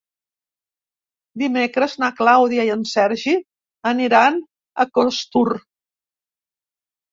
Dimecres na Clàudia i en Sergi aniran a Costur.